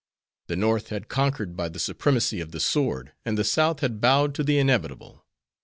The North had conquered by the supremacy of the sword, and the South had bowed to the inevitable.